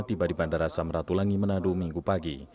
tiba di bandara samratulangi manado minggu pagi